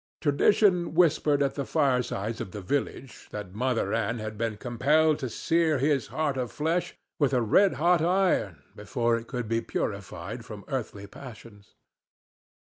Tradition whispered at the firesides of the village that Mother Ann had been compelled to sear his heart of flesh with a red hot iron before it could be purified from earthly passions.